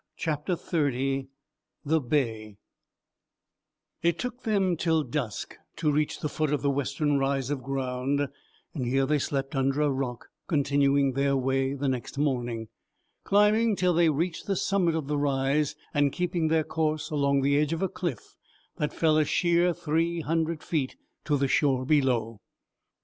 CHAPTER XXX THE BAY It took them till dusk to reach the foot of the western rise of ground; here they slept under a rock, continuing their way next morning, climbing till they reached the summit of the rise and keeping their course along the edge of a cliff that fell a sheer three hundred feet to the shore below.